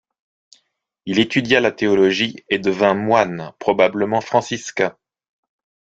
Il étudia la théologie et devint moine, probablement franciscain.